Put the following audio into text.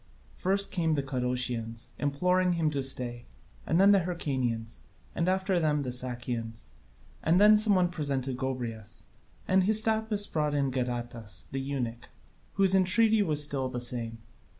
First came the Cadousians, imploring him to stay, and then the Hyrcanians, and after them the Sakians, and then some one presented Gobryas, and Hystaspas brought in Gadatas the eunuch, whose entreaty was still the same.